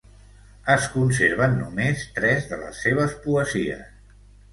Es conserven només tres de les seves poesies.